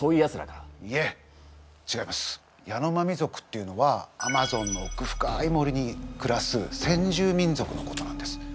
ヤノマミ族っていうのはアマゾンのおく深い森に暮らす先住民族のことなんです。